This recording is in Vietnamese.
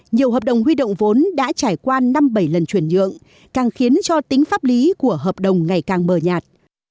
nhiều hợp đồng huy động vốn đã trải qua năm bảy lần chuyển nhượng càng khiến cho tính pháp lý của hợp đồng ngày càng mờ nhạt